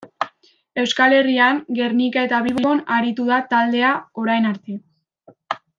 Euskal Herrian, Gernika eta Bilbon aritu da taldea orain arte.